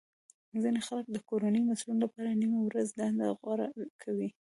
ځینې خلک د کورنۍ مسولیتونو لپاره نیمه ورځې دنده غوره کوي